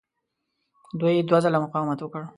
دوی دوه ځله مقاومت وکړ.